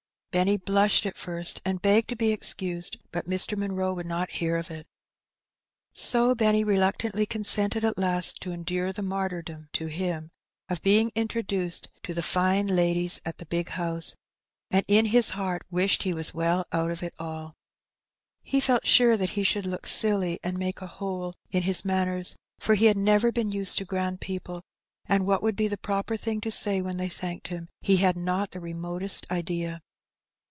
Benny blushed at first and begged to be excus^, bat Mr. Munroe would not hear of it. So Benny reluctantly consented at last to endure the martyrdom (to him) of being introduced to the fine ladies at the big house, and in his heart wished he was well out of it all. He felt sore that he should look silly and make a hole in his manners, for he had never been used to grand people; and what would be the proper thing to say when they thanked him he had not the remotest idea.